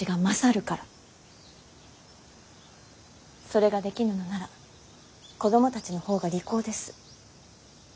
それができぬのなら子供たちの方が利口です。